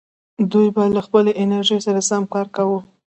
دوی به له خپلې انرژۍ سره سم کار کاوه.